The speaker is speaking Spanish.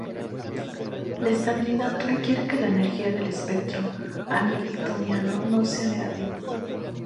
La estabilidad requiere que la energía del espectro Hamiltoniano no sea negativo.